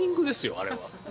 あれは。